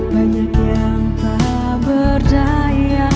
banyak yang tak berdaya